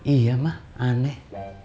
iya mah aneh